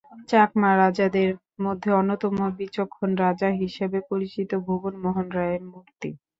চাকমা রাজাদের মধ্যে অন্যতম বিচক্ষণ রাজা হিসেবে পরিচিত ভুবন মোহন রায়ের মূর্তি।